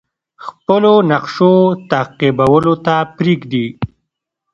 خپلو نقشو تعقیبولو ته پریږدي.